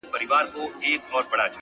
اراده د ستونزو له منځه لارې باسي!